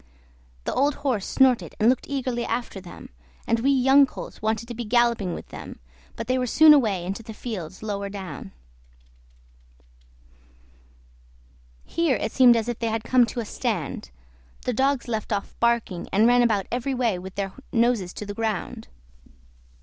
The old horse snorted and looked eagerly after them, and we young colts wanted to be galloping with them, but they were soon away into the fields lower down; here it seemed as if they had come to a stand; the dogs left off barking, and ran about every way with their noses to the ground.